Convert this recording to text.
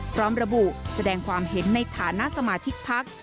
พร้อมระบุแสดงความเห็นในฐานะสมาชิกพัก